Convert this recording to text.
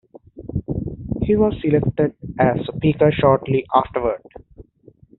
He was selected as speaker shortly afterward.